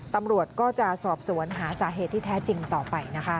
ตำรวจก็จะสอบสวนหาสาเหตุที่แท้จริงต่อไปนะคะ